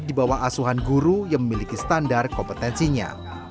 di bawah asuhan guru yang memiliki standar kompetensinya